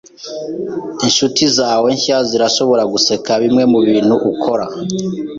Inshuti zawe nshya zirashobora guseka bimwe mubintu ukora.